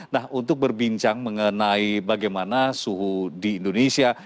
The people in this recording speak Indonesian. nah untuk berbincang mengenai bagaimana suhu di indonesia